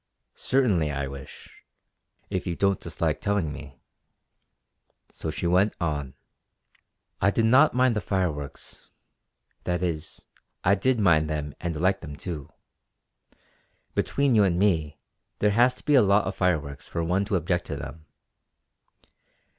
"Certainly I wish, if you don't dislike telling me." So she went on: "I did not mind the fireworks; that is I did mind them and liked them too. Between you and me, there has to be a lot of fireworks for one to object to them.